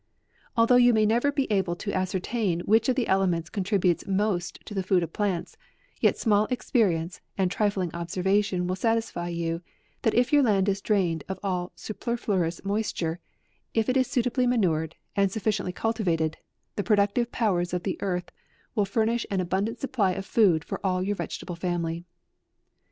Although you may never be able to ascer tain which of the elements contributes most to the food of plants, yet small experience and trifling observation will satisfy you, that if your land is drained of all superfluous moisture, if it is suitably manured, and suffi ciently cultivated, the productive powers of the earth will furnish an abundant supply of food for all your vegetable family.